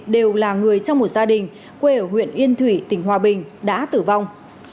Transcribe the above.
đều là người trong một gia đình quê ở huyện yên thủy tỉnh hòa bình đã tử vong